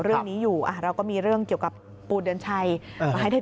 เรื่องนี้อยู่เราก็มีเรื่องเกี่ยวกับปูเดือนชัยมาให้ได้